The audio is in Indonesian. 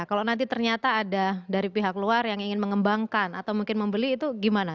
kalau nanti ternyata ada dari pihak luar yang ingin mengembangkan atau mungkin membeli itu gimana